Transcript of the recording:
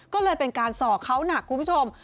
ก็เลยเป็นการส่อเขาหนักคุณผู้ชม